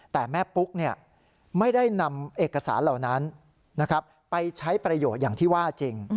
แต่แม่ปุ๊กไม่ได้นำเอกสารเหล่านั้นไปใช้ประโยชน์อย่างที่ว่าจริง